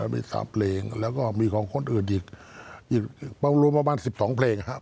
มี๓เพลงแล้วก็มีของคนอื่นอีกรวมประมาณ๑๒เพลงนะครับ